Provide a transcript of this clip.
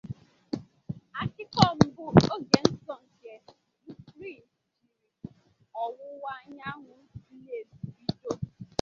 Ákíkó mbu ogẹ nso nke Yukrain jịrị Owuwa anyanwu Slavs bídó.